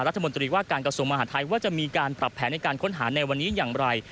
รัฐมนตรีว่าการกระทรวงมหาทัยว่าจะมีการปรับแผนในการค้นหาในวันนี้อย่างไร